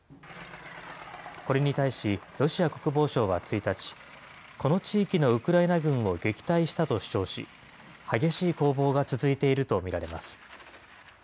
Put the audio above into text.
これに対し、ロシア国防省は１日、この地域のウクライナ軍を撃退したと主張し、激しい攻防が続いていると見られます。